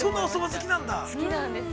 ◆好きなんですよ。